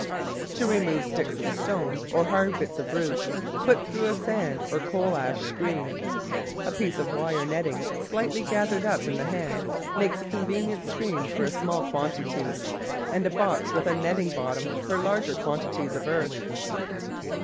To remove sticks, stones, or hard bits of root put through a sand or coal ash screen. A piece of wire netting slightly gathered up in the hand makes a convenient screen for a small quantity and a box with a netting bottom for larger quantities of earth.